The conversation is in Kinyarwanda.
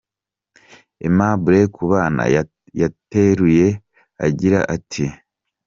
Aimable Kubana yateruye agira ati :.